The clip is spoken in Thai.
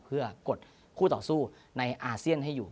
เพื่อกดคู่ต่อสู้ในอาเซียนให้อยู่